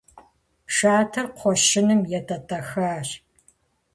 Шатэр кхъуэщыным етӏэтӏэхащ.